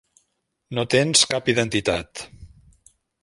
No tens cap identitat.